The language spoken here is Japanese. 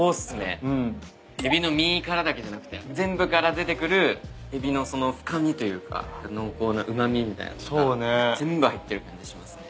海老の身からだけじゃなくて全部から出てくる海老の深みというか濃厚なうま味みたいなのが全部入ってる感じしますね。